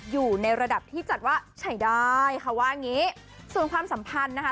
อยู่ในระดับที่จัดว่าใช้ได้เขาว่างี้ส่วนความสัมพันธ์นะคะ